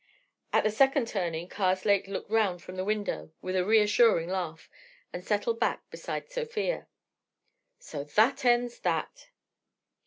At the second turning Karslake looked round from the window with a reassuring laugh, and settled back beside Sofia. "So that ends that!"